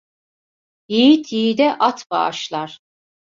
Yiğit yiğide at bağışlar.